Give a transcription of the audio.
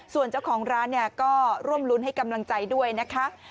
ส่วนเจ้าของร้านเนี่ยก็ร่วมรุ้นให้กำลังใจด้วยนะคะ